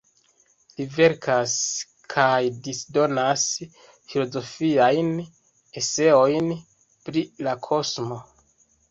Li verkas kaj disdonas filozofiajn eseojn pri la kosmo.